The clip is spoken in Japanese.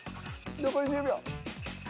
残り１０秒。